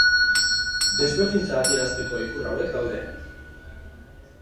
Desberdintza adierazteko ikur hauek daude.